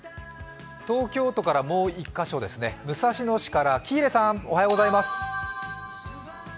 東京都からもう１カ所ですね、武蔵野市から喜入さん、おはようございます。